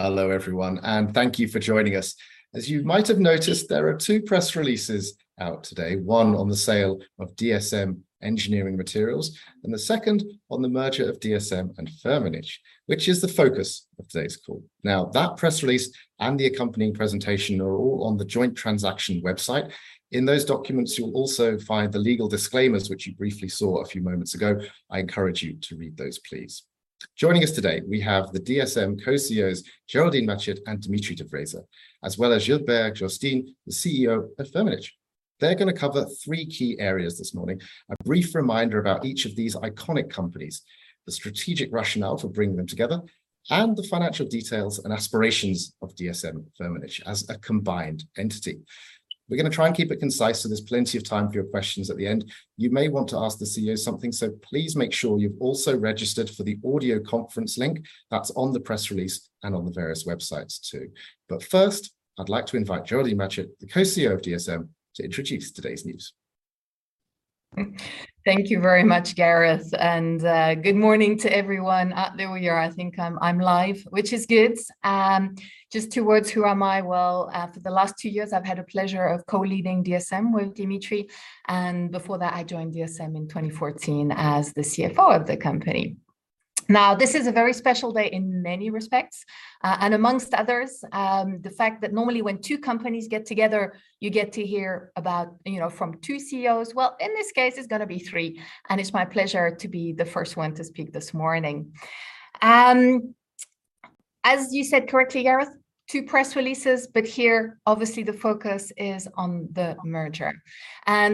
Hello everyone, and thank you for joining us. As you might have noticed, there are two press releases out today. One on the sale of DSM Engineering Materials, and the second on the merger of DSM and Firmenich, which is the focus of today's call. Now, that press release and the accompanying presentation are all on the joint transaction website. In those documents, you'll also find the legal disclaimers which you briefly saw a few moments ago. I encourage you to read those, please. Joining us today, we have the DSM co-CEOs, Geraldine Matchett and Dimitri de Vreeze, as well as Gilbert Ghostine, the CEO of Firmenich. They're gonna cover three key areas this morning. A brief reminder about each of these iconic companies, the strategic rationale for bringing them together, and the financial details and aspirations of DSM-Firmenich as a combined entity. We're gonna try and keep it concise so there's plenty of time for your questions at the end. You may want to ask the CEO something, so please make sure you've also registered for the audio conference link that's on the press release and on the various websites too. First, I'd like to invite Geraldine Matchett, the Co-CEO of DSM, to introduce today's news. Thank you very much, Gareth, and, good morning to everyone. There we are. I think I'm live, which is good. Just two words, who am I? Well, for the last two years, I've had a pleasure of co-leading DSM with Dimitri, and before that, I joined DSM in 2014 as the CFO of the company. Now, this is a very special day in many respects, and among others, the fact that normally when two companies get together, you get to hear about, you know, from two CEOs. Well, in this case, it's gonna be three, and it's my pleasure to be the first one to speak this morning. And as you said correctly, Gareth, two press releases, but here, obviously, the focus is on the merger.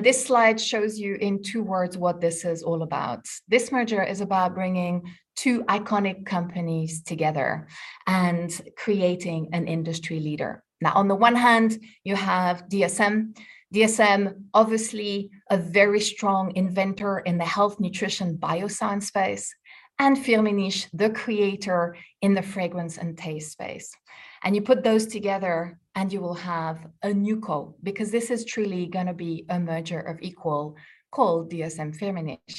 This slide shows you in two words what this is all about. This merger is about bringing two iconic companies together and creating an industry leader. Now, on the one hand, you have DSM. DSM, obviously, a very strong inventor in the health nutrition bioscience space, and Firmenich, the creator in the fragrance and taste space. You put those together, and you will have a new co, because this is truly gonna be a merger of equals, called DSM-Firmenich.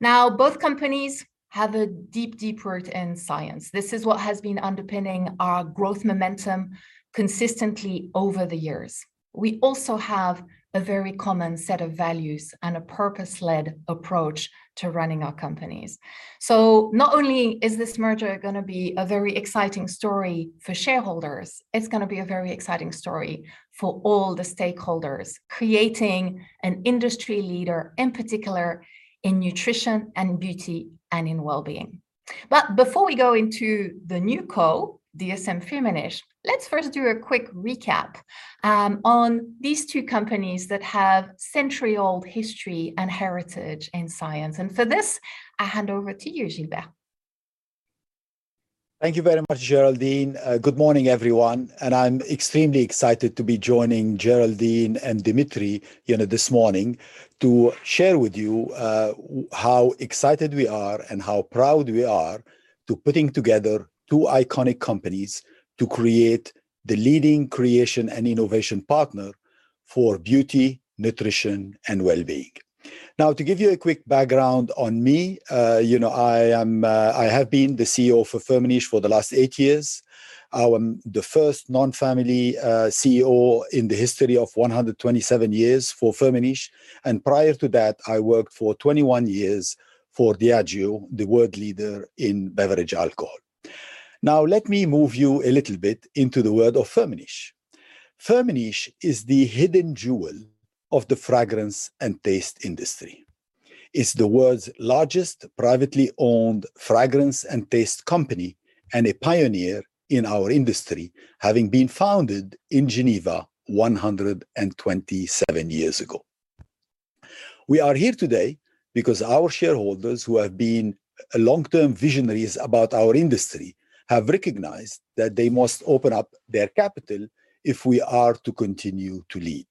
Now, both companies have a deep root in science. This is what has been underpinning our growth momentum consistently over the years. We also have a very common set of values and a purpose-led approach to running our companies. So, not only is this merger gonna be a very exciting story for shareholders, it's gonna be a very exciting story for all the stakeholders, creating an industry leader, in particular in nutrition and beauty and in wellbeing. But before we go into the new co, DSM-Firmenich, let's first do a quick recap on these two companies that have century-old history and heritage in science. For this, I hand over to you, Gilbert. Thank you very much, Geraldine. Good morning, everyone, and I'm extremely excited to be joining Geraldine and Dimitri, you know, this morning to share with you how excited we are and how proud we are to putting together two iconic companies to create the leading creation and innovation partner for beauty, nutrition, and wellbeing. Now, to give you a quick background on me, you know, I have been the CEO for Firmenich for the last eight years. I'm the first non-family CEO in the history of 127 years for Firmenich, and prior to that, I worked for 21 years for Diageo, the world leader in beverage alcohol. Now, let me move you a little bit into the world of Firmenich. Firmenich is the hidden jewel of the fragrance and taste industry. It's the world's largest privately-owned fragrance and taste company, and a pioneer in our industry, having been founded in Geneva 127 years ago. We are here today because our shareholders, who have been long-term visionaries about our industry, have recognized that they must open up their capital if we are to continue to lead.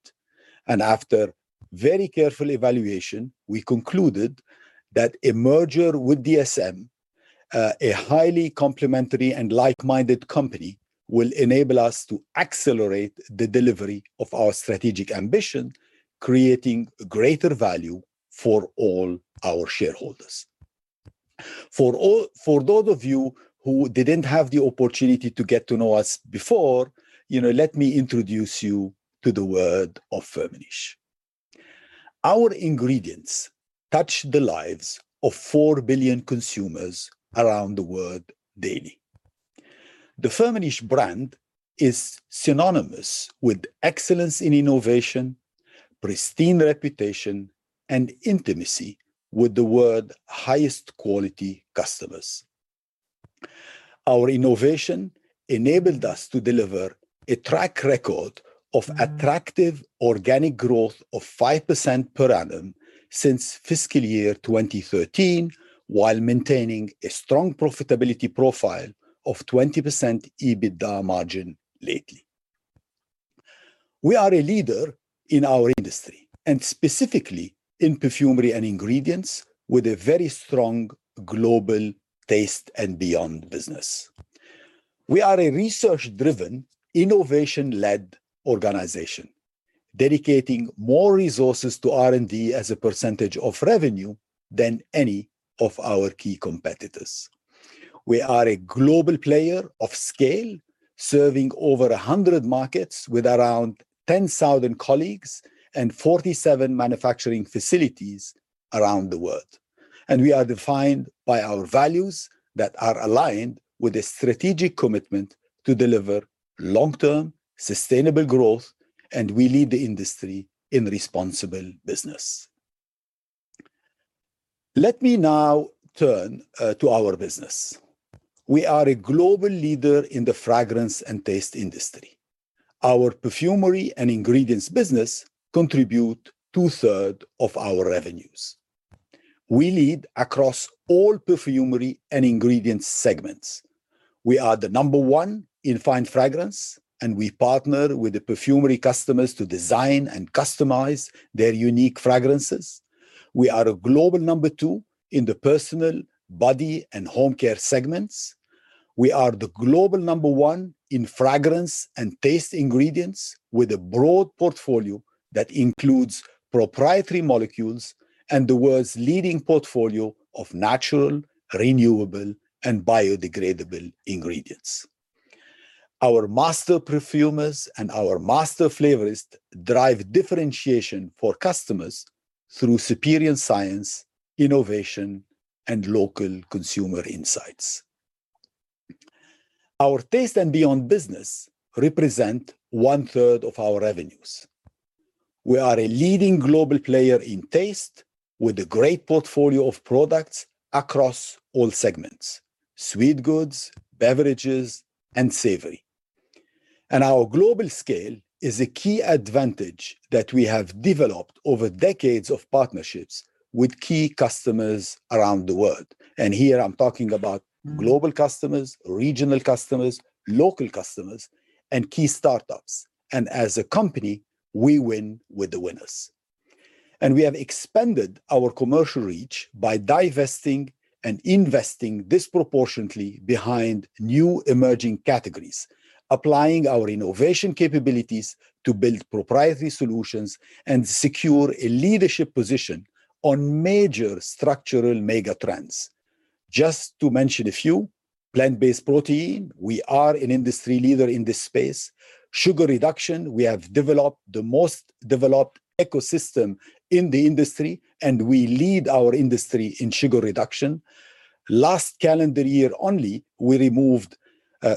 After very careful evaluation, we concluded that a merger with DSM, a highly complementary and like-minded company, will enable us to accelerate the delivery of our strategic ambition, creating greater value for all our shareholders. For those of you who didn't have the opportunity to get to know us before, you know, let me introduce you to the world of Firmenich. Our ingredients touch the lives of 4 billion consumers around the world daily. The Firmenich brand is synonymous with excellence in innovation, pristine reputation, and intimacy with the world's highest quality customers. Our innovation enabled us to deliver a track record of attractive organic growth of 5% per annum since fiscal year 2013, while maintaining a strong profitability profile of 20% EBITDA margin lately. We are a leader in our industry, and specifically in Perfumery and Ingredients, with a very strong global Taste & Beyond business. We are a research-driven, innovation-led organization. Dedicating more resources to R&D as a percentage of revenue than any of our key competitors. We are a global player of scale, serving over 100 markets with around 10,000 colleagues and 47 manufacturing facilities around the world. We are defined by our values that are aligned with a strategic commitment to deliver long-term sustainable growth, and we lead the industry in responsible business. Let me now turn to our business. We are a global leader in the fragrance and taste industry. Our perfumery and ingredients business contributes 2/3 of our revenues. We lead across all perfumery and ingredients segments. We are the number one in fine fragrance, and we partner with the perfumery customers to design and customize their unique fragrances. We are a global number two in the personal body and home care segments. We are the global number one in fragrance and taste ingredients with a broad portfolio that includes proprietary molecules and the world's leading portfolio of natural, renewable, and biodegradable ingredients. Our master perfumers and our master flavorists drive differentiation for customers through superior science, innovation, and local consumer insights. Our Taste & Beyond business represents 1/3 of our revenues. We are a leading global player in taste with a great portfolio of products across all segments, sweet goods, beverages, and savory. Our global scale is a key advantage that we have developed over decades of partnerships with key customers around the world. Here I'm talking about global customers, regional customers, local customers, and key startups. As a company, we win with the winners. We have expanded our commercial reach by divesting and investing disproportionately behind new emerging categories, applying our innovation capabilities to build proprietary solutions and secure a leadership position on major structural mega trends. Just to mention a few, plant-based protein, we are an industry leader in this space. Sugar reduction, we have developed the most developed ecosystem in the industry, and we lead our industry in sugar reduction. Last calendar year only, we removed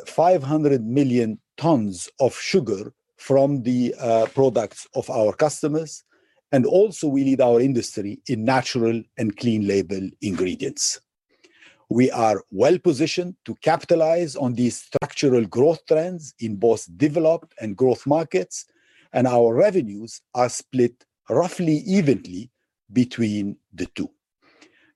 500 million tons of sugar from the products of our customers, and also we lead our industry in natural and clean label ingredients. We are well-positioned to capitalize on these structural growth trends in both developed and growth markets, and our revenues are split roughly evenly between the two.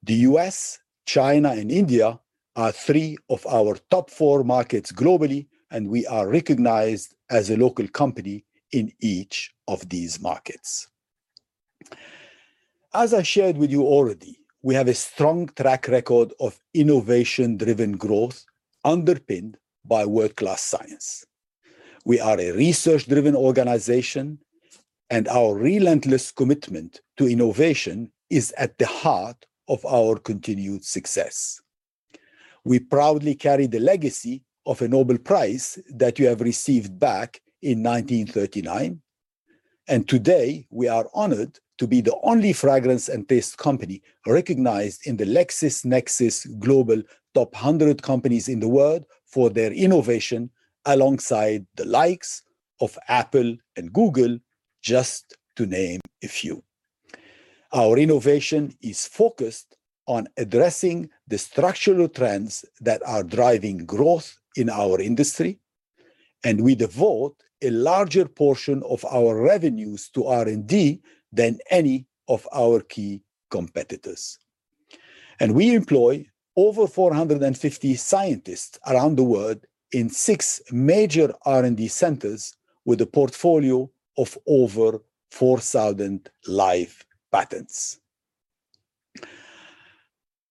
The U.S., China, and India are three of our top four markets globally, and we are recognized as a local company in each of these markets. As I shared with you already, we have a strong track record of innovation-driven growth underpinned by world-class science. We are a research-driven organization, and our relentless commitment to innovation is at the heart of our continued success. We proudly carry the legacy of a Nobel Prize that we have received back in 1939, and today, we are honored to be the only fragrance and taste company recognized in the LexisNexis Global Top 100 Companies in the World for their innovation alongside the likes of Apple and Google, just to name a few. Our innovation is focused on addressing the structural trends that are driving growth in our industry, and we devote a larger portion of our revenues to R&D than any of our key competitors. We employ over 450 scientists around the world in six major R&D centers with a portfolio of over 4,000 live patents.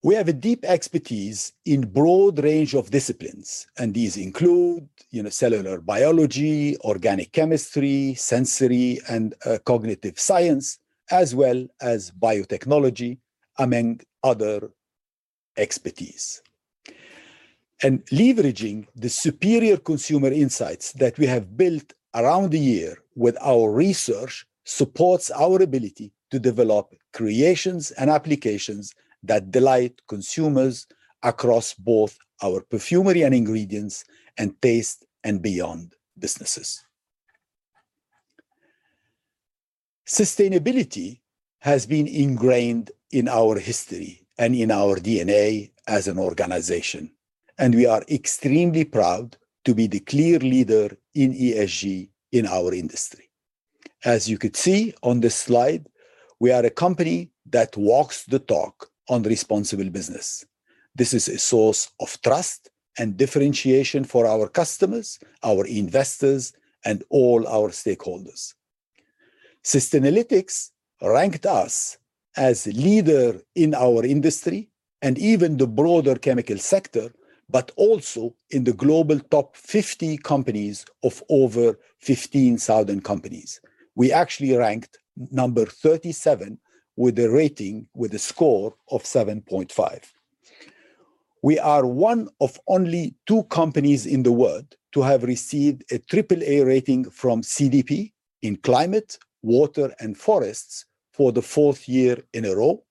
We have a deep expertise in broad range of disciplines, and these include, you know, cellular biology, organic chemistry, sensory and, cognitive science, as well as biotechnology, among other expertise. Leveraging the superior consumer insights that we have built around the year with our research supports our ability to develop creations and applications that delight consumers across both our Perfumery & Ingredients and Taste & Beyond businesses. Sustainability has been ingrained in our history and in our DNA as an organization, and we are extremely proud to be the clear leader in ESG in our industry. As you could see on this slide, we are a company that walks the talk on responsible business. This is a source of trust and differentiation for our customers, our investors, and all our stakeholders. Sustainalytics ranked us as leader in our industry and even the broader chemical sector, but also in the global top 50 companies of over 15,000 companies. We actually ranked number 37 with a rating, with a score of 7.5. We are one of only two companies in the world to have received a triple A rating from CDP in climate, water and forests for the fourth year in a row.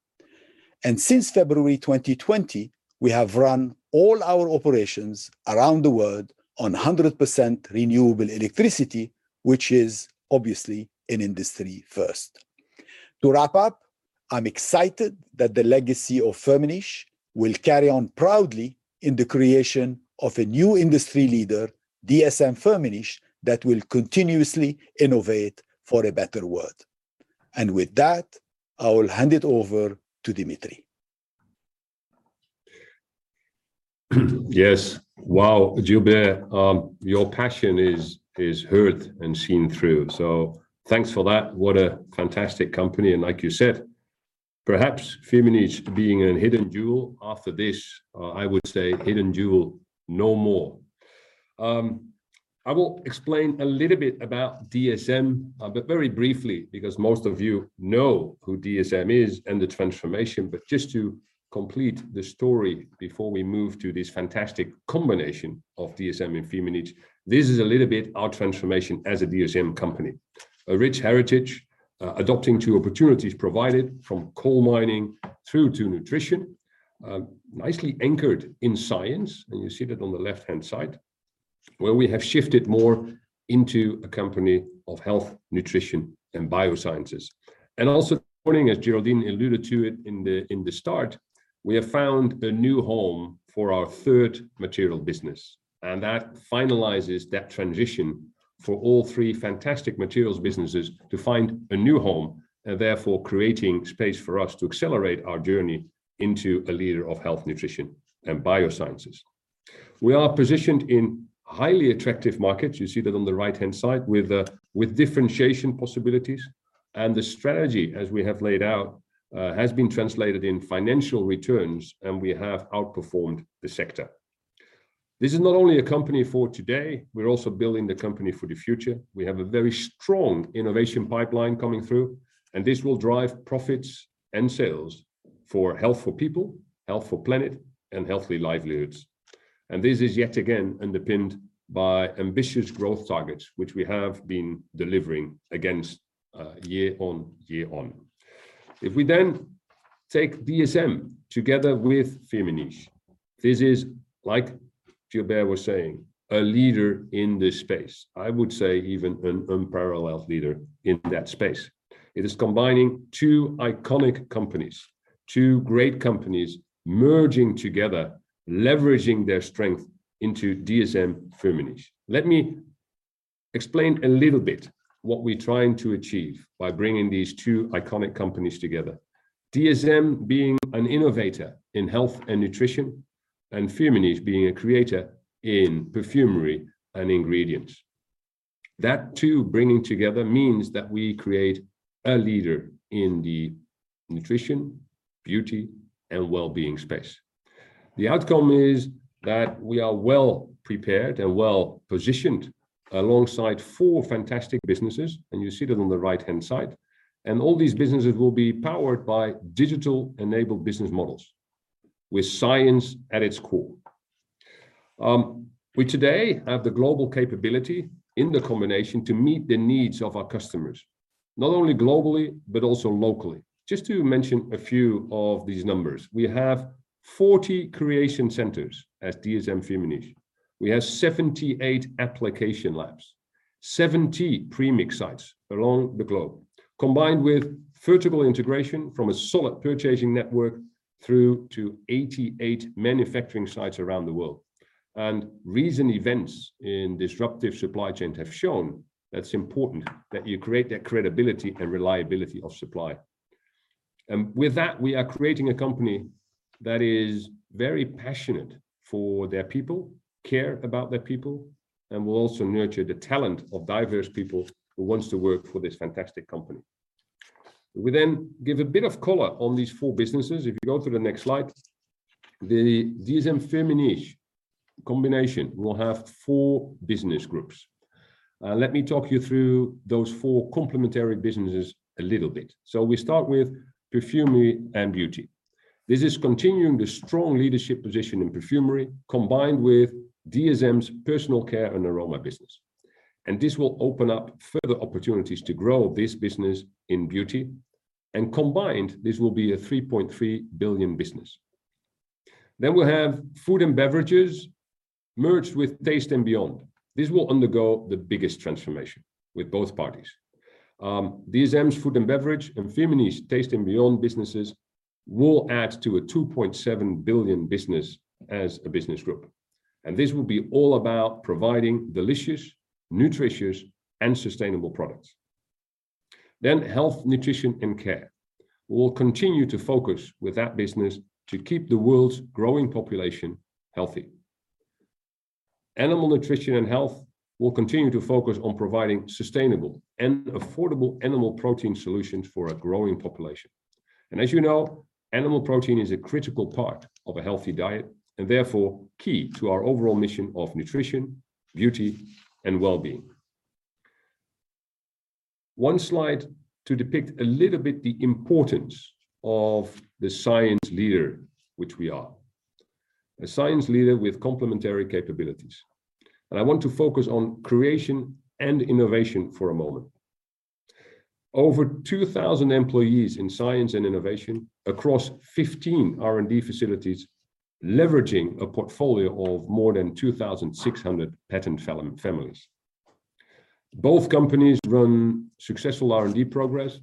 Since February 2020, we have run all our operations around the world on 100% renewable electricity, which is obviously an industry first. To wrap up, I'm excited that the legacy of Firmenich will carry on proudly in the creation of a new industry leader, DSM-Firmenich, that will continuously innovate for a better world. With that, I will hand it over to Dimitri. Yes. Wow, Gilbert, your passion is heard and seen through. Thanks for that. What a fantastic company, and like you said, perhaps Firmenich being a hidden jewel, after this, I would say hidden jewel no more. I will explain a little bit about DSM, but very briefly, because most of you know who DSM is and the transformation, but just to complete the story before we move to this fantastic combination of DSM and Firmenich. This is a little bit our transformation as a DSM company. A rich heritage, adapting to opportunities provided from coal mining through to nutrition, nicely anchored in science, and you see that on the left-hand side, where we have shifted more into a company of health, nutrition and biosciences. Also importantly, as Geraldine alluded to it in the start, we have found a new home for our third material business, and that finalizes that transition for all three fantastic materials businesses to find a new home, and therefore creating space for us to accelerate our journey into a leader of health, nutrition and biosciences. We are positioned in highly attractive markets, you see that on the right-hand side, with differentiation possibilities, and the strategy, as we have laid out, has been translated in financial returns, and we have outperformed the sector. This is not only a company for today, we're also building the company for the future. We have a very strong innovation pipeline coming through, and this will drive profits and sales for health for people, health for planet, and healthy livelihoods. This is yet again underpinned by ambitious growth targets, which we have been delivering against, year on year on. If we then take DSM together with Firmenich, this is, like Gilbert was saying, a leader in this space. I would say even an unparalleled leader in that space. It is combining two iconic companies, two great companies merging together, leveraging their strength into DSM-Firmenich. Let me explain a little bit what we're trying to achieve by bringing these two iconic companies together. DSM being an innovator in health and nutrition, and Firmenich being a creator in perfumery and ingredients. That, too, bringing together means that we create a leader in the nutrition, beauty, and well-being space. The outcome is that we are well prepared and well positioned alongside four fantastic businesses, and you see that on the right-hand side. All these businesses will be powered by digital-enabled business models with science at its core. We today have the global capability in the combination to meet the needs of our customers, not only globally, but also locally. Just to mention a few of these numbers. We have 40 creation centers at DSM-Firmenich. We have 78 application labs, 70 premix sites around the globe, combined with vertical integration from a solid purchasing network through to 88 manufacturing sites around the world. Recent disruptive events in supply chain have shown that it's important that you create that credibility and reliability of supply. With that, we are creating a company that is very passionate for their people, care about their people, and will also nurture the talent of diverse people who wants to work for this fantastic company. We give a bit of color on these four businesses. If you go to the next slide. The DSM-Firmenich combination will have four business groups. Let me talk you through those four complementary businesses a little bit. We start with Perfumery and Beauty. This is continuing the strong leadership position in perfumery, combined with DSM's Personal Care and Aroma business. This will open up further opportunities to grow this business in beauty. Combined, this will be a 3.3 billion business. We'll have Food and Beverages merged with Taste and Beyond. This will undergo the biggest transformation with both parties. DSM's Food and Beverage and Firmenich's Taste and Beyond businesses will add to a 2.7 billion business as a business group. This will be all about providing delicious, nutritious, and sustainable products. Health, Nutrition & Care will continue to focus with that business to keep the world's growing population healthy. Animal Nutrition & Health will continue to focus on providing sustainable and affordable animal protein solutions for a growing population. As you know, animal protein is a critical part of a healthy diet, and therefore key to our overall mission of nutrition, beauty, and well-being. One slide to depict a little bit the importance of the science leader, which we are. A science leader with complementary capabilities. I want to focus on creation and innovation for a moment. Over 2,000 employees in science and innovation across 15 R&D facilities, leveraging a portfolio of more than 2,600 patent families. Both companies run successful R&D programs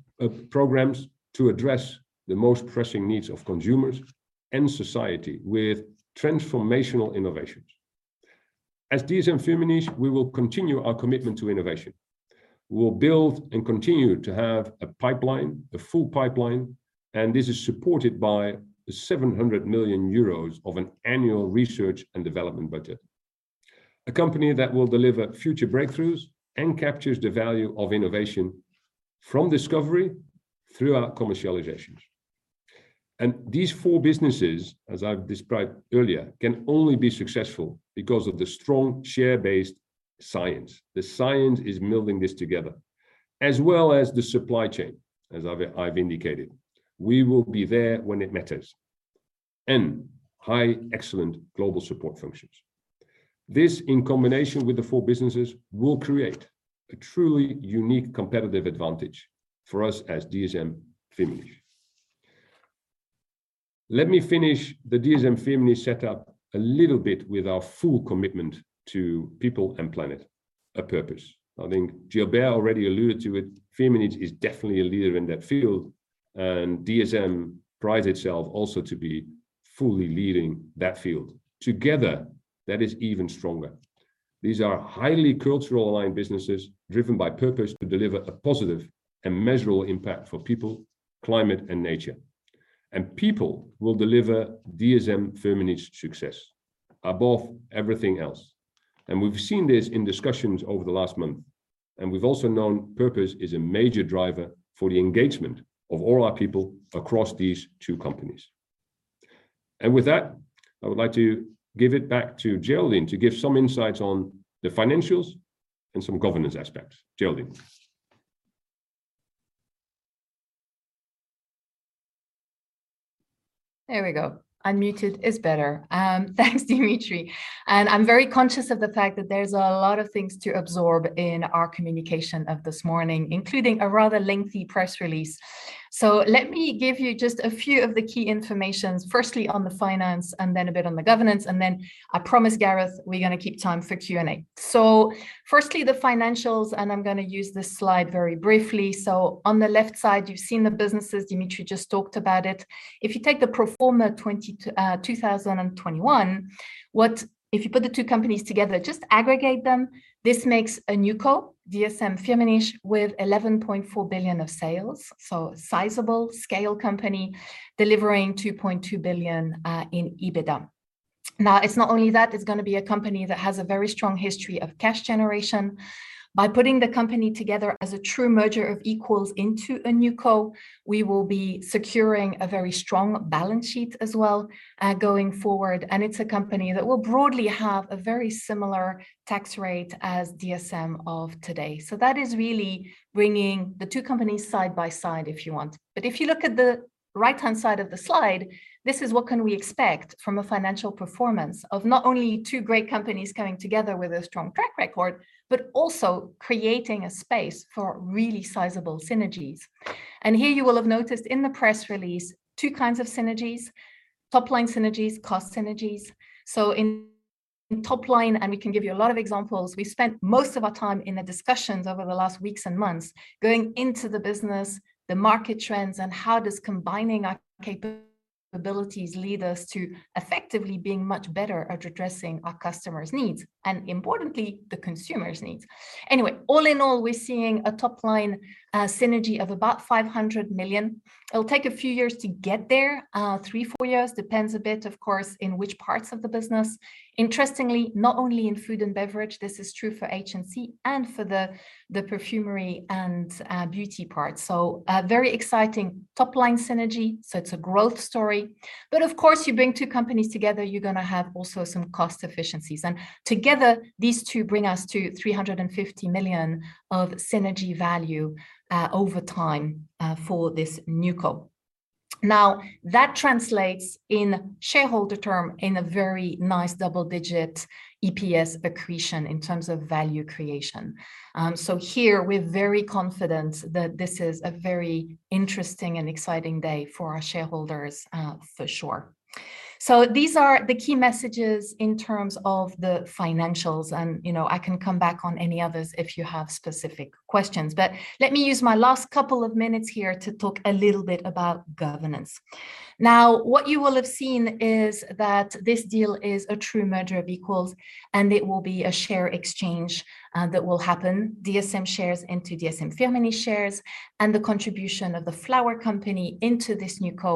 to address the most pressing needs of consumers and society with transformational innovations. As DSM-Firmenich, we will continue our commitment to innovation. We'll build and continue to have a pipeline, a full pipeline, and this is supported by 700 million euros of an annual research and development budget. A company that will deliver future breakthroughs and captures the value of innovation from discovery throughout commercializations. These four businesses, as I've described earlier, can only be successful because of the strong share-based science. The science is melding this together, as well as the supply chain, as I've indicated. We will be there when it matters. Highly excellent global support functions. This, in combination with the four businesses, will create a truly unique competitive advantage for us as DSM-Firmenich. Let me finish the DSM-Firmenich setup a little bit with our full commitment to people and planet, our purpose. I think Gilbert already alluded to it. Firmenich is definitely a leader in that field, and DSM prides itself also to be fully leading that field. Together, that is even stronger. These are highly culturally aligned businesses driven by purpose to deliver a positive and measurable impact for people, climate, and nature. People will deliver DSM-Firmenich's success above everything else. We've seen this in discussions over the last month, and we've also shown purpose is a major driver for the engagement of all our people across these two companies. With that, I would like to give it back to Geraldine to give some insights on the financials and some governance aspects. Geraldine. There we go. Unmuted is better. Thanks, Dimitri. I'm very conscious of the fact that there's a lot of things to absorb in our communication of this morning, including a rather lengthy press release. Let me give you just a few of the key information, firstly on the finance and then a bit on the governance, and then I promise, Gareth, we're gonna keep time for Q&A. Firstly, the financials, and I'm gonna use this slide very briefly. On the left side, you've seen the businesses. Dimitri just talked about it. If you take the pro forma 2021, if you put the two companies together, just aggregate them, this makes a new co, DSM-Firmenich, with 11.4 billion of sales, sizable scale company delivering 2.2 billion in EBITDA. Now, it's not only that, it's gonna be a company that has a very strong history of cash generation. By putting the company together as a true merger of equals into a new co, we will be securing a very strong balance sheet as well, going forward. It's a company that will broadly have a very similar tax rate as DSM of today. That is really bringing the two companies side by side, if you want. If you look at the right-hand side of the slide, this is what can we expect from a financial performance of not only two great companies coming together with a strong track record, but also creating a space for really sizable synergies. Here you will have noticed in the press release two kinds of synergies, top-line synergies, cost synergies. In top line, we can give you a lot of examples. We spent most of our time in the discussions over the last weeks and months going into the business, the market trends, and how does combining our capabilities lead us to effectively being much better at addressing our customers' needs and, importantly, the consumers' needs. Anyway, all in all, we're seeing a top-line synergy of about 500 million. It'll take a few years to get there, three, four years. Depends a bit, of course, in which parts of the business. Interestingly, not only in Food & Beverage, this is true for HNC and for the Perfumery & Beauty part. A very exciting top-line synergy, so it's a growth story. But of course, you bring two companies together, you're gonna have also some cost efficiencies. Together, these two bring us to 350 million of synergy value over time for this new co. Now, that translates in shareholder terms to a very nice double-digit EPS accretion in terms of value creation. Here we're very confident that this is a very interesting and exciting day for our shareholders, for sure. These are the key messages in terms of the financials, and, you know, I can come back on any others if you have specific questions. Let me use my last couple of minutes here to talk a little bit about governance. Now, what you will have seen is that this deal is a true merger of equals, and it will be a share exchange that will happen, DSM shares into DSM-Firmenich shares, and the contribution of the Firmenich Company into this newco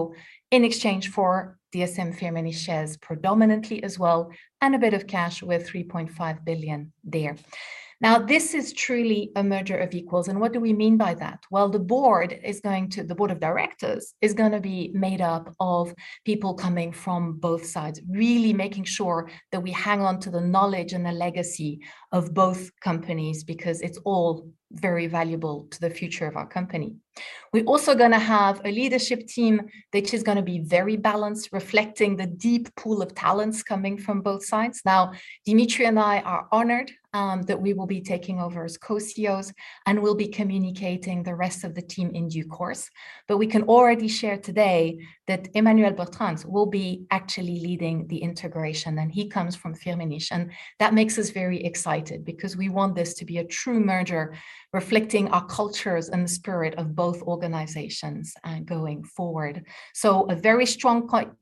in exchange for DSM-Firmenich shares predominantly as well, and a bit of cash with 3.5 billion there. Now, this is truly a merger of equals, and what do we mean by that? Well, the board of directors is gonna be made up of people coming from both sides, really making sure that we hang on to the knowledge and the legacy of both companies because it's all very valuable to the future of our company. We're also gonna have a leadership team which is gonna be very balanced, reflecting the deep pool of talents coming from both sides. Now, Dimitri and I are honored that we will be taking over as co-CEOs, and we'll be communicating the rest of the team in due course. But we can already share today that Emmanuel Butstraen will be actually leading the integration, and he comes from Firmenich. That makes us very excited because we want this to be a true merger, reflecting our cultures and the spirit of both organizations going forward. A very strong,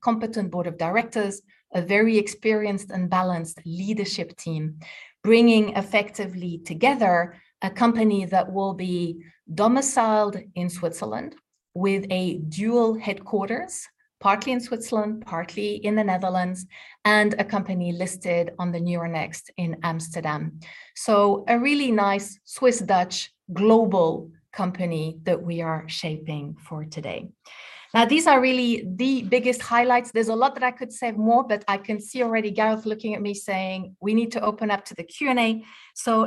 competent board of directors, a very experienced and balanced leadership team, bringing effectively together a company that will be domiciled in Switzerland with a dual headquarters, partly in Switzerland, partly in the Netherlands, and a company listed on the Euronext in Amsterdam. A really nice Swiss-Dutch global company that we are shaping for today. Now, these are really the biggest highlights. There's a lot that I could say more, but I can see already Gareth looking at me saying, "We need to open up to the Q&A."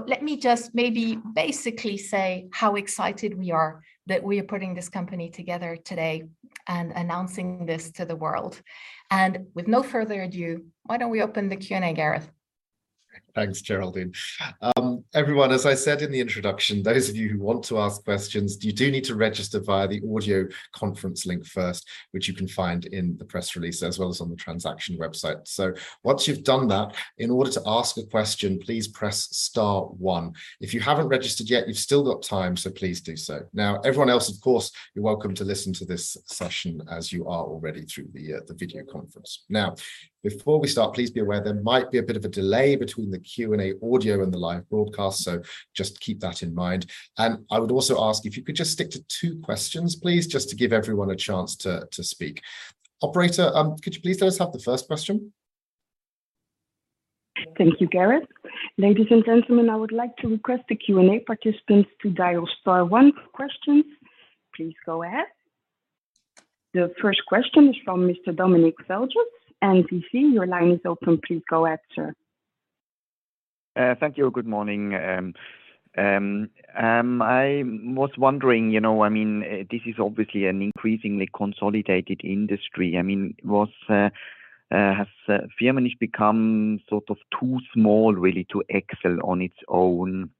Let me just maybe basically say how excited we are that we are putting this company together today and announcing this to the world. With no further ado, why don't we open the Q&A, Gareth? Thanks, Geraldine. Everyone, as I said in the introduction, those of you who want to ask questions, you do need to register via the audio conference link first, which you can find in the press release as well as on the transaction website. Once you've done that, in order to ask a question, please press star one. If you haven't registered yet, you've still got time, so please do so. Now, everyone else, of course, you're welcome to listen to this session as you are already through the video conference. Now, before we start, please be aware there might be a bit of a delay between the Q&A audio and the live broadcast, so just keep that in mind. I would also ask if you could just stick to two questions, please, just to give everyone a chance to speak. Operator, could you please let us have the first question? Thank you, Gareth. Ladies and gentlemen, I would like to request the Q&A participants to dial star one for questions. Please go ahead. The first question is from Mr. Dominik Seli, RBC. Your line is open. Please go ahead, sir. Thank you. Good morning. I was wondering, you know, I mean, this is obviously an increasingly consolidated industry. I mean, has Firmenich become sort of too small really to excel on its own?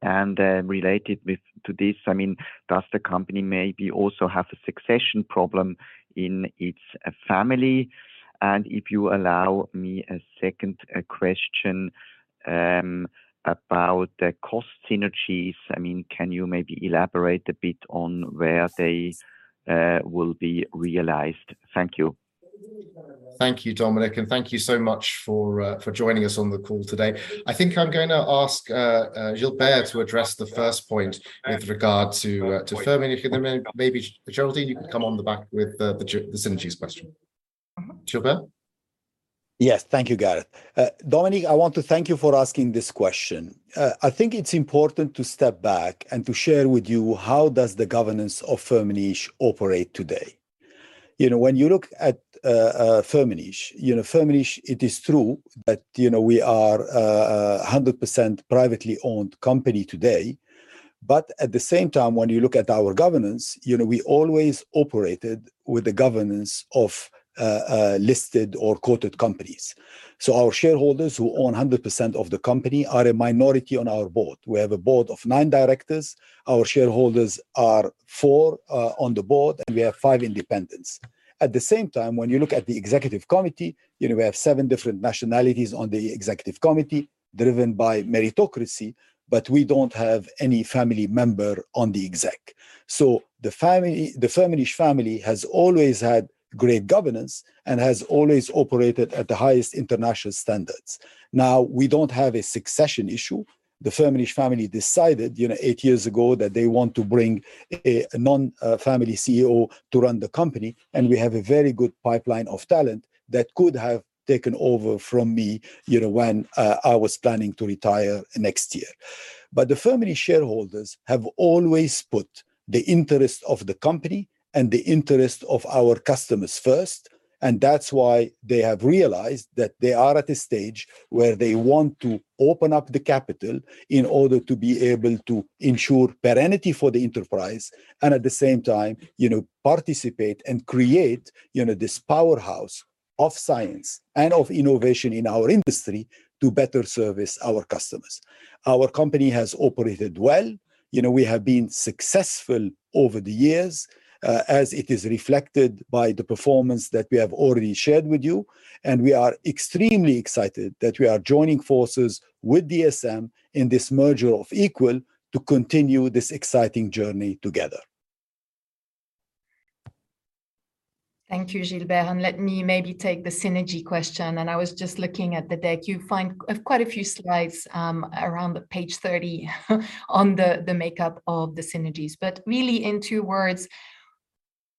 Related to this, I mean, does the company maybe also have a succession problem in its family? If you allow me a second question, about the cost synergies. I mean, can you maybe elaborate a bit on where they will be realized? Thank you. Thank you, Dominic, and thank you so much for joining us on the call today. I think I'm gonna ask Gilbert to address the first point with regard to Firmenich. Then maybe, Geraldine, you can come on the back with the synergies question. Gilbert? Yes. Thank you, Gareth. Dominic, I want to thank you for asking this question. I think it's important to step back and to share with you how does the governance of Firmenich operate today. You know, when you look at Firmenich, you know, Firmenich, it is true that, you know, we are 100% privately owned company today. At the same time, when you look at our governance, you know, we always operated with the governance of listed or quoted companies. Our shareholders, who own 100% of the company, are a minority on our board. We have a board of nine directors. Our shareholders are four on the board, and we have five independents. At the same time, when you look at the executive committee, you know, we have seven different nationalities on the executive committee driven by meritocracy, but we don't have any family member on the exec. So the family, the Firmenich family has always had great governance and has always operated at the highest international standards. Now, we don't have a succession issue. The Firmenich family decided, you know, eight years ago that they want to bring a non family CEO to run the company, and we have a very good pipeline of talent that could have taken over from me, you know, when I was planning to retire next year. The Firmenich shareholders have always put the interest of the company and the interest of our customers first, and that's why they have realized that they are at a stage where they want to open up the capital in order to be able to ensure perpetuity for the enterprise and, at the same time, you know, participate and create, you know, this powerhouse. Of science and of innovation in our industry to better service our customers. Our company has operated well. You know, we have been successful over the years, as it is reflected by the performance that we have already shared with you, and we are extremely excited that we are joining forces with DSM in this merger of equals to continue this exciting journey together. Thank you Gilbert. Let me maybe take the synergy question, and I was just looking at the deck. You'll find quite a few slides around page 30 on the makeup of the synergies. Really in two words,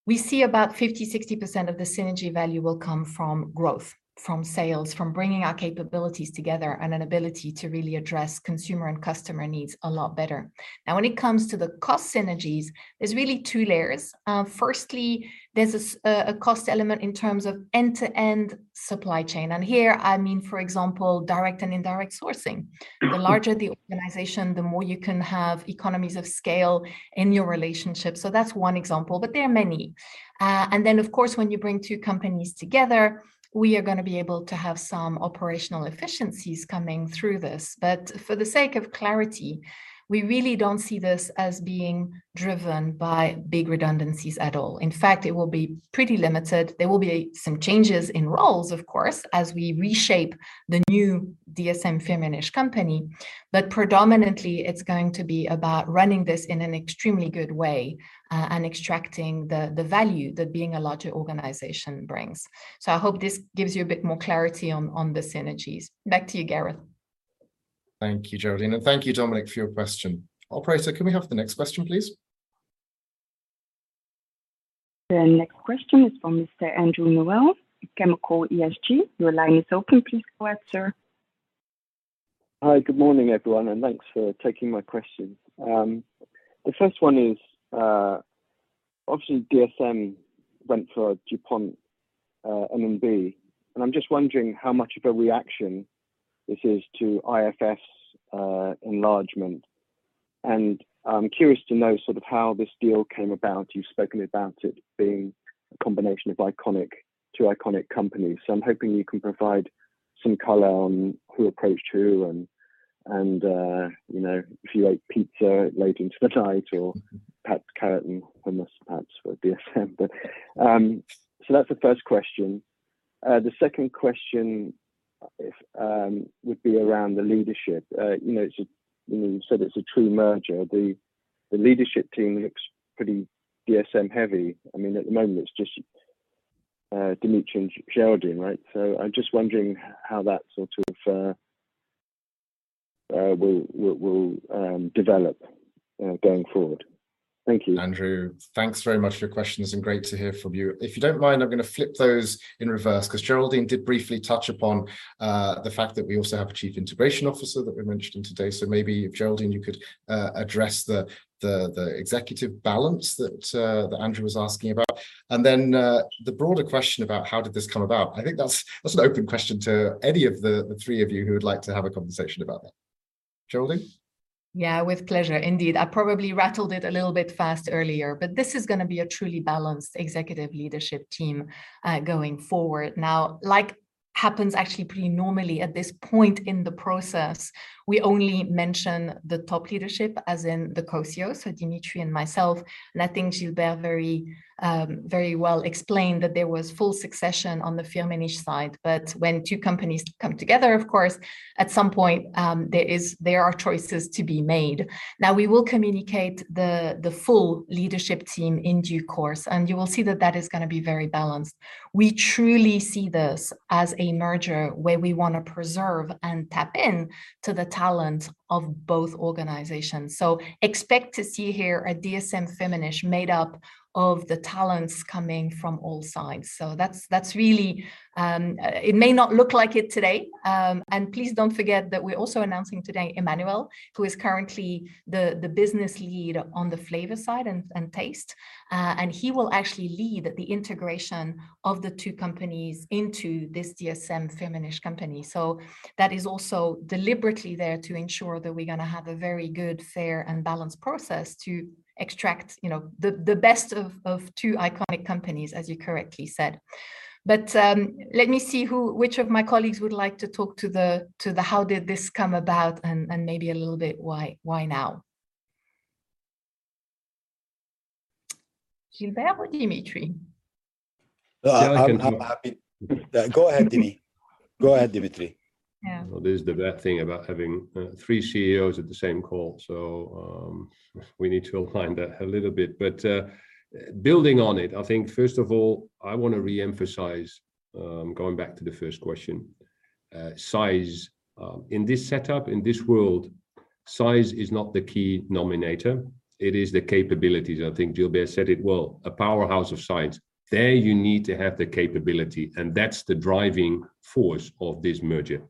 we see about 50%-60% of the synergy value will come from growth, from sales, from bringing our capabilities together, and an ability to really address consumer and customer needs a lot better. Now, when it comes to the cost synergies, there's really two layers. Firstly, there's a cost element in terms of end-to-end supply chain, and here I mean, for example, direct and indirect sourcing. The larger the organization, the more you can have economies of scale in your relationship. That's one example, but there are many. Of course, when you bring two companies together, we are gonna be able to have some operational efficiencies coming through this. For the sake of clarity, we really don't see this as being driven by big redundancies at all. In fact, it will be pretty limited. There will be some changes in roles of course, as we reshape the new DSM-Firmenich company. Predominantly, it's going to be about running this in an extremely good way, and extracting the value that being a larger organization brings. I hope this gives you a bit more clarity on the synergies. Back to you, Gareth. Thank you, Geraldine, and thank you Dominic for your question. Operator, can we have the next question, please? The next question is from Mr. Andrew Tully, Chemical & Engineering News. Your line is open. Please go ahead, sir. Hi, good morning, everyone, and thanks for taking my questions. The first one is, obviously DSM went for DuPont, N&B, and I'm just wondering how much of a reaction this is to IFF enlargement. I'm curious to know sort of how this deal came about. You've spoken about it being a combination of two iconic companies. I'm hoping you can provide some color on who approached who, and you know, if you like pizza late into the night or perhaps carrot and hummus perhaps for DSM. That's the first question. The second question would be around the leadership. You know, you said it's a true merger. The leadership team looks pretty DSM heavy. I mean, at the moment it's just Dimitri and Geraldine, right? I'm just wondering how that sort of will develop going forward. Thank you. Andrew, thanks very much for your questions and great to hear from you. If you don't mind, I'm gonna flip those in reverse, 'cause Geraldine did briefly touch upon the fact that we also have a chief integration officer that we mentioned today. Maybe if Geraldine, you could address the executive balance that Andrew was asking about. The broader question about how did this come about? I think that's an open question to any of the three of you who would like to have a conversation about that. Geraldine? Yeah, with pleasure indeed. I probably rattled it a little bit fast earlier, but this is gonna be a truly balanced executive leadership team, going forward. Now, like happens actually pretty normally at this point in the process, we only mention the top leadership as in the co-CEOs, so Dimitri and myself. I think Gilbert very, very well explained that there was full succession on the Firmenich side. When two companies come together, of course, at some point, there are choices to be made. Now, we will communicate the full leadership team in due course, and you will see that that is gonna be very balanced. We truly see this as a merger where we wanna preserve and tap in to the talent of both organizations. Expect to see here a DSM-Firmenich made up of the talents coming from all sides. That's really it may not look like it today, and please don't forget that we're also announcing today Emmanuel Butstraen, who is currently the business lead on the flavor side and taste, and he will actually lead the integration of the two companies into this DSM-Firmenich company. That is also deliberately there to ensure that we're gonna have a very good, fair, and balanced process to extract, you know, the best of two iconic companies, as you correctly said. Let me see which of my colleagues would like to talk to the how did this come about and maybe a little bit why now. Gilbert Ghostine or Dimitri de Vreeze? I'm happy. Gilbert can go. Go ahead, Dimi. Go ahead, Dimitri. Yeah. Well, this is the bad thing about having three CEOs at the same call, so we need to align that a little bit. Building on it, I think first of all, I wanna reemphasize, going back to the first question, size. In this setup, in this world, size is not the key denominator. It is the capabilities. I think Gilbert said it well, a powerhouse of science. There you need to have the capability, and that's the driving force of this merger.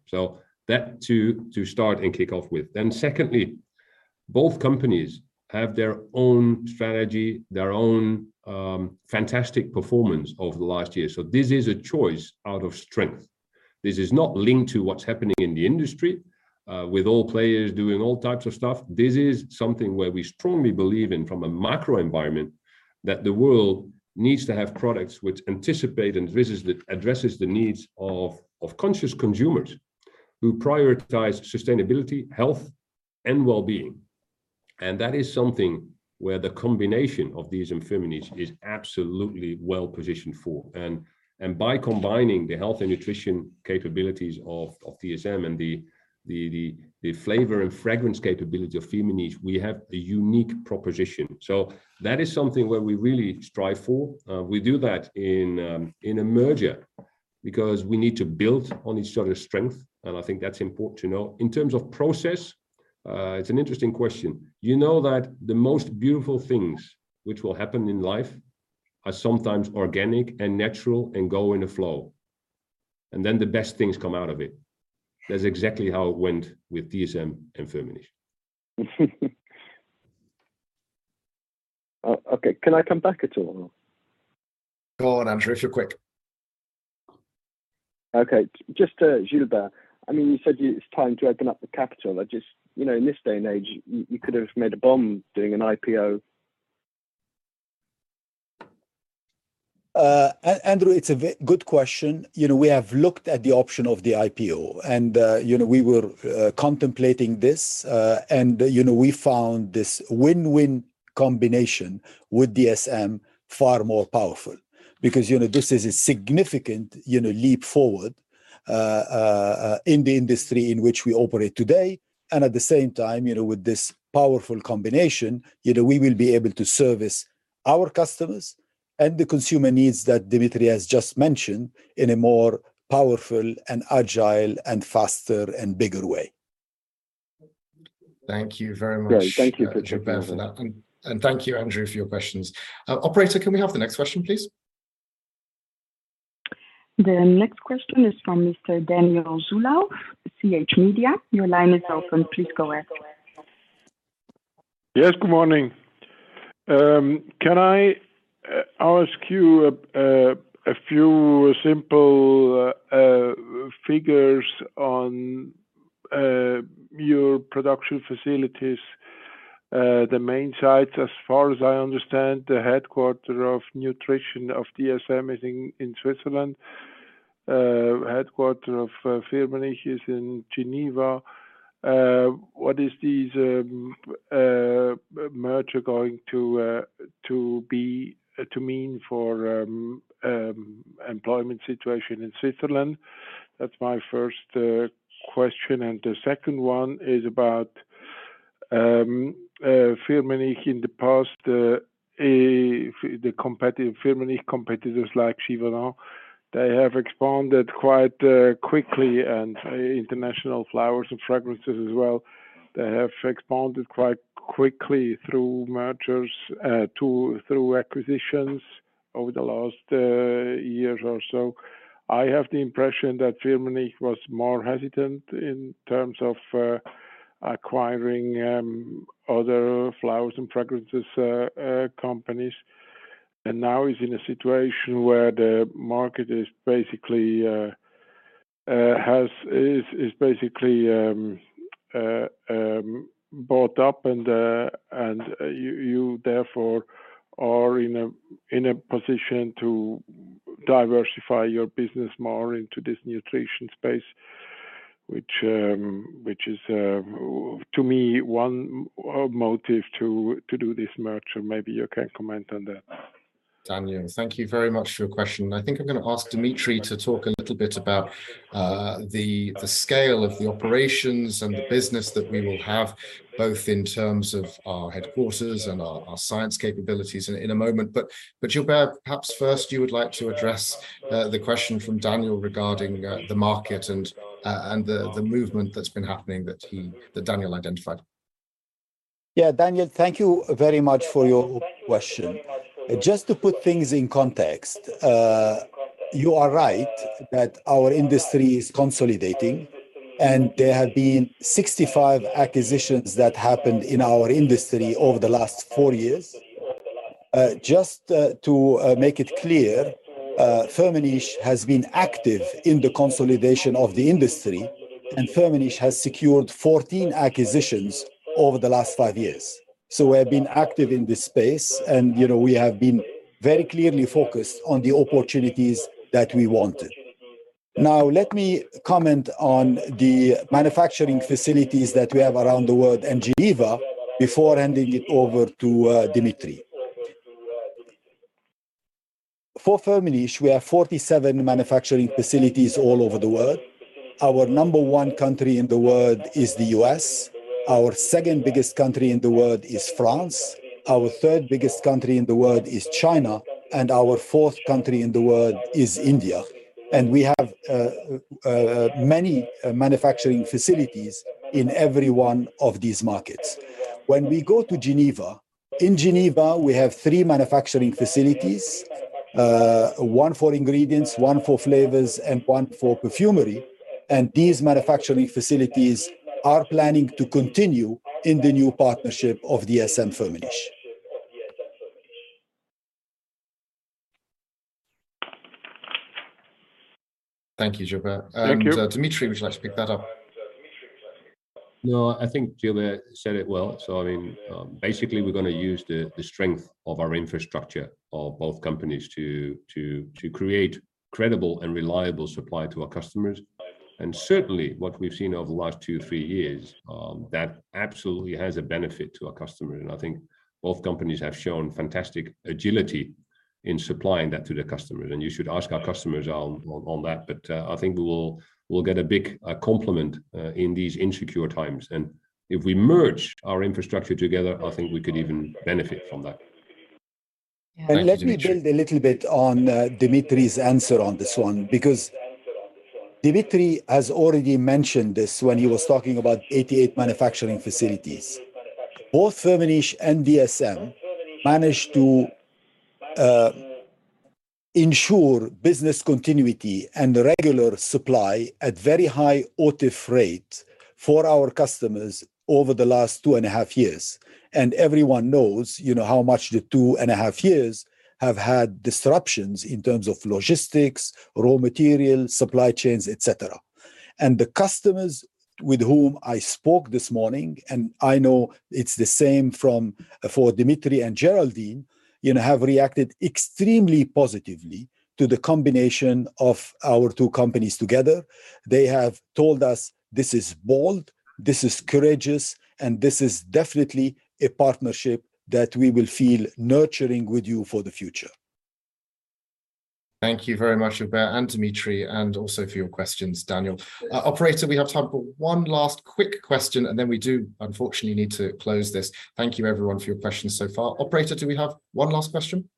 That to start and kick off with. Secondly, both companies have their own strategy, their own fantastic performance over the last year. This is a choice out of strength. This is not linked to what's happening in the industry, with all players doing all types of stuff. This is something where we strongly believe in from a macro environment that the world needs to have products which anticipate and address the needs of conscious consumers who prioritize sustainability, health, and well-being. That is something where the combination of these in Firmenich is absolutely well positioned for. By combining the health and nutrition capabilities of DSM and the flavor and fragrance capability of Firmenich, we have a unique proposition. That is something where we really strive for. We do that in a merger because we need to build on each other's strength, and I think that's important to know. In terms of process, it's an interesting question. You know that the most beautiful things which will happen in life are sometimes organic and natural and go in a flow, and then the best things come out of it. That's exactly how it went with DSM and Firmenich. Oh, okay. Can I come back at all? Go on, Andrew, if you're quick. Okay. Just to Gilbert, I mean, you said it's time to open up the capital. I just, you know, in this day and age, you could have made a bomb doing an IPO. Andrew, it's a very good question. You know, we have looked at the option of the IPO and, you know, we were contemplating this. You know, we found this win-win combination with DSM far more powerful because, you know, this is a significant, you know, leap forward in the industry in which we operate today. At the same time, you know, with this powerful combination, you know, we will be able to service our customers and the consumer needs that Dimitri has just mentioned in a more powerful and agile and faster and bigger way. Thank you very much. Yeah. Thank you, Andrew. Gilbert, for that. Thank you, Andrew, for your questions. Operator, can we have the next question, please? The next question is from Mr. Daniel Zulauf CH Media. Your line is open. Please go ahead. Yes, good morning. Can I ask you a few simple figures on your production facilities, the main sites? As far as I understand, the headquarters of nutrition of DSM is in Switzerland. Headquarters of Firmenich is in Geneva. What is this merger going to mean for employment situation in Switzerland? That's my first question. The second one is about Firmenich in the past, the competitors of Firmenich like Givaudan, they have expanded quite quickly and International Flavors & Fragrances as well. They have expanded quite quickly through mergers and acquisitions over the last years or so. I have the impression that Firmenich was more hesitant in terms of acquiring other flavors and fragrances companies, and now is in a situation where the market is basically bought up and you therefore are in a position to diversify your business more into this nutrition space, which is to me one motive to do this merger. Maybe you can comment on that. Daniel, thank you very much for your question. I think I'm gonna ask Dimitri to talk a little bit about the scale of the operations and the business that we will have, both in terms of our headquarters and our science capabilities in a moment. Gilbert, perhaps first you would like to address the question from Daniel regarding the market and the movement that's been happening that Daniel identified. Yeah. Daniel, thank you very much for your question. Just to put things in context, you are right that our industry is consolidating, and there have been 65 acquisitions that happened in our industry over the last four years. Just to make it clear, Firmenich has been active in the consolidation of the industry, and Firmenich has secured 14 acquisitions over the last five years. We have been active in this space and, you know, we have been very clearly focused on the opportunities that we wanted. Now, let me comment on the manufacturing facilities that we have around the world and Geneva before handing it over to Dimitri de Vreeze. For Firmenich, we have 47 manufacturing facilities all over the world. Our number one country in the world is the U.S. Our second biggest country in the world is France. Our third biggest country in the world is China. Our fourth country in the world is India. We have many manufacturing facilities in every one of these markets. When we go to Geneva, in Geneva, we have three manufacturing facilities, one for ingredients, one for flavors, and one for perfumery, and these manufacturing facilities are planning to continue in the new partnership of DSM-Firmenich. Thank you, Ghostine. Thank you. Dimitri, would you like to pick that up? No, I think Ghostine said it well. I mean, basically we're gonna use the strength of our infrastructure of both companies to create credible and reliable supply to our customers. Certainly, what we've seen over the last two, three years, that absolutely has a benefit to our customer, and I think both companies have shown fantastic agility in supplying that to their customers, and you should ask our customers on that. I think we'll get a big complement in these insecure times, and if we merge our infrastructure together, I think we could even benefit from that. Yeah. Let me build a little bit on Dimitri's answer on this one, because Dimitri has already mentioned this when he was talking about 88 manufacturing facilities. Both Firmenich and DSM managed to ensure business continuity and regular supply at very high OTIF rate for our customers over the last two and a half years, and everyone knows, you know, how much the two and a half years have had disruptions in terms of logistics, raw materials, supply chains, et cetera. The customers with whom I spoke this morning, and I know it's the same from, for Dimitri and Geraldine, you know, have reacted extremely positively to the combination of our two companies together. They have told us this is bold, this is courageous, and this is definitely a partnership that we will feel nurturing with you for the future. Thank you very much, Ghostine and Dimitri, and also for your questions, Daniel. Operator, we have time for one last quick question, and then we do unfortunately need to close this. Thank you everyone for your questions so far. Operator, do we have one last question?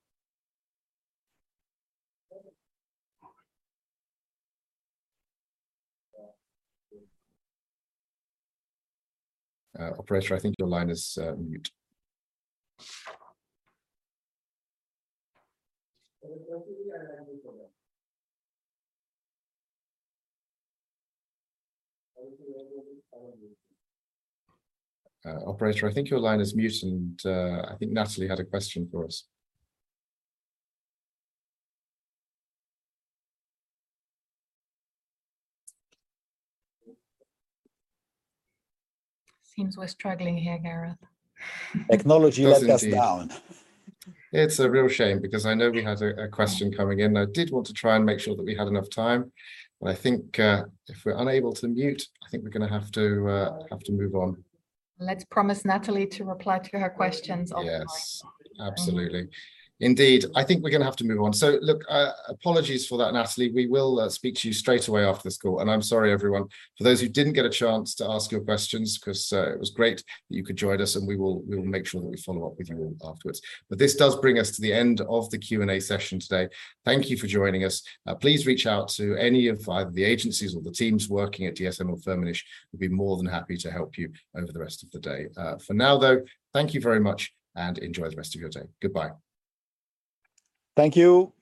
Operator, I think your line is mute, and I think Natalie had a question for us. Seems we're struggling here, Gareth. Technology let us down. It's a real shame because I know we had a question coming in. I did want to try and make sure that we had enough time, but I think if we're unable to mute, I think we're gonna have to move on. Let's promise Natalie to reply to her questions offline. Yes. Absolutely. Indeed. I think we're gonna have to move on. Look, apologies for that, Natalie. We will speak to you straight away after this call. I'm sorry everyone, for those who didn't get a chance to ask your questions, 'cause it was great that you could join us, and we will make sure that we follow up with you all afterwards. This does bring us to the end of the Q&A session today. Thank you for joining us. Please reach out to any of either the agencies or the teams working at DSM or Firmenich. We'd be more than happy to help you over the rest of the day. For now, though, thank you very much and enjoy the rest of your day. Goodbye. Thank you.